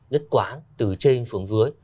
nhất quán từ trên xuống dưới